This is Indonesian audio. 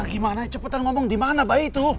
gimana cepetan ngomong dimana baik tuh